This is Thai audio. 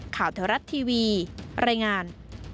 ข่าวเทวรัตน์ทีวีรายงาน